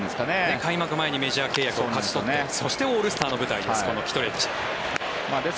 開幕前にメジャー契約を勝ち取ってそしてオールスターの舞台です